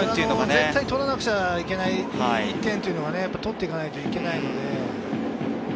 絶対取らなくちゃいけないという１点を取っていかないといけないので。